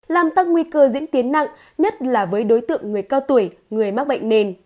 làm tăng nguy cơ diễn tiến nặng nhất là với đối tượng người cao tuổi người mắc bệnh nền